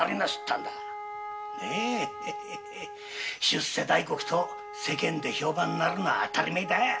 出世大黒と世間で評判になるのは当たり前だ。